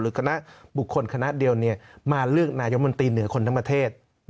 คณะบุคคลคณะเดียวมาเลือกนายมนตรีเหนือคนทั้งประเทศ